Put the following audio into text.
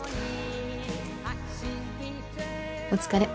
お疲れ。